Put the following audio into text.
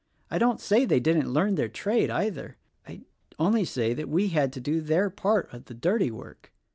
I don't say they didn't learn their trade, either. I only say we had to do their part of the dirty work.